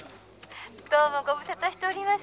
どうもご無沙汰しております」